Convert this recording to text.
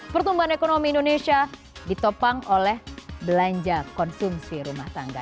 pertumbuhan ekonomi indonesia ditopang oleh belanja konsumsi rumah tangga